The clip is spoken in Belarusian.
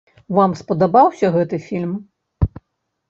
Вам спадабаўся гэты фільм?